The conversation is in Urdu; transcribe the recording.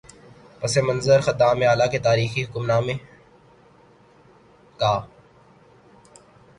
پس منظر خادم اعلی کے تاریخی حکم نامے کا۔